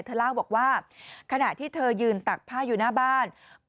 เล่าบอกว่าขณะที่เธอยืนตักผ้าอยู่หน้าบ้าน